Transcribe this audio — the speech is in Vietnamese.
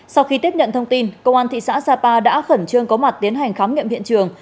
sau khi tiếp nhận thông tin công an thị xã sapa đã khẩn trương có mặt tiến hành khám nghiệm hiện trường